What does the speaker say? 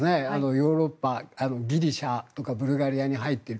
ヨーロッパ、ギリシャとかブルガリアに入っている。